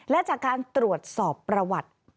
และจากการตรวจสอบประวัติ